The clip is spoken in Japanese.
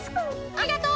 ありがとう！